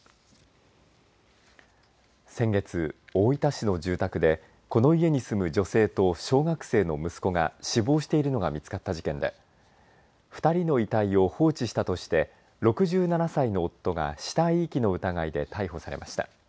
先月、大分市の住宅でこの家に住む女性と小学生の息子が死亡しているのが見つかった事件で２人の遺体を放置したとして６７歳の夫が死体遺棄の疑いで逮捕されました。